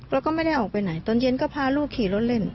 แล้วก็ไม่ได้ออกไปไหนตอนเย็นก็พาลูกขี่รถเล่น